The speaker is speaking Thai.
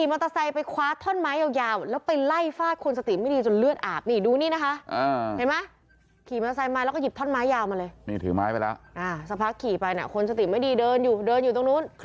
สักคนขี่ไปคนสติไม่ดีเดินอยู่เดินอยู่ตรงนู้น